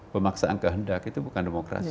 pemaksaan kehendak itu bukan demokrasi